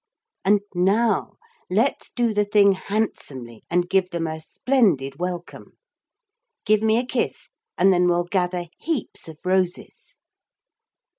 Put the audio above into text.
And now let's do the thing handsomely and give them a splendid welcome. Give me a kiss and then we'll gather heaps of roses.'